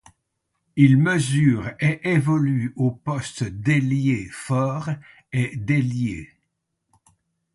Il mesure et évolue aux postes d'ailier fort et d'ailier.